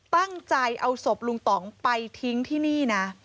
ตั้งใจเอาศพลุงต่องไปทิ้งที่นี่นะ